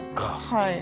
はい。